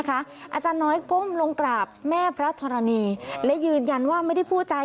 อาจารย์แล้วคนชื่อหมวยอยู่ไหน